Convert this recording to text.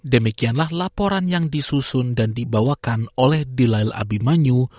demikianlah laporan yang disusun dan dibawakan oleh delail abimanyu